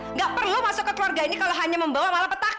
nggak perlu masuk ke keluarga ini kalau hanya membawa malah petahan